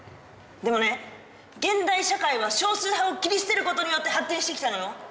でもね現代社会は少数派を切り捨てることによって発展してきたのよ！